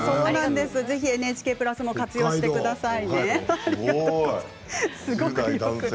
ぜひＮＨＫプラスも活用してくださいね。